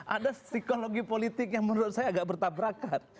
ada psikologi politik yang menurut saya agak bertabrakan